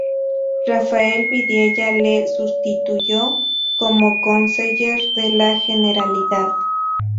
Rafael Vidiella le sustituyó como "conseller" de la Generalidad.